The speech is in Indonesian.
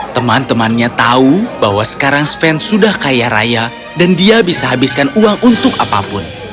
teman temannya tahu bahwa sekarang sven sudah kaya raya dan dia bisa habiskan uang untuk apapun